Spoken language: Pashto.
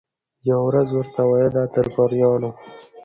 یوه ورځ ورته ویله درباریانو